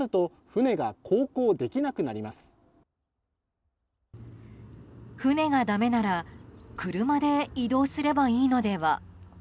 船がだめなら車で移動すればいいのでは？